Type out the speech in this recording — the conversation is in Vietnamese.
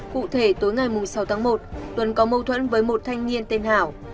cụ thể tối ngày sáu tháng một tuấn có mâu thuẫn với một thanh niên tên hảo